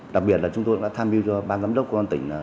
đặc biệt là chúng tôi đã tham dự cho ban cấm đốc công an tỉnh